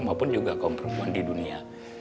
maupun juga kaum perempuan di dunia